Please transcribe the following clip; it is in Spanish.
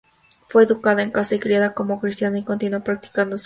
Fue educada en casa y criada como cristiana y continúa practicando su fe.